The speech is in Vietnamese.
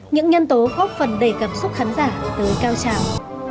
những nhân tố góp phần đầy cảm xúc khán giả tới cao trào